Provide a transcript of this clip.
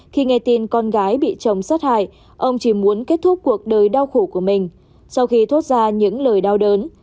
khi nghe tin con gái bị chồng sát hại ông chỉ muốn kết thúc cuộc đời đau khổ của mình sau khi thoát ra những lời đau đớn